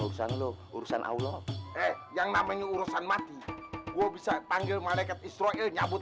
urusan lo urusan allah eh yang namanya urusan mati gue bisa panggil malaikat israel nyabut